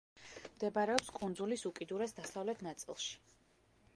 მდებარეობს კუნძულის უკიდურეს დასავლეთ ნაწილში.